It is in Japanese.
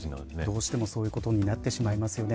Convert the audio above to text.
どうしても、そういうことになってしまいますね。